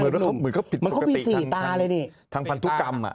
เหมือนก็ผิดปกติทางพันธุกรรม